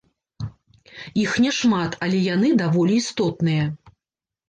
Іх няшмат, але яны даволі істотныя.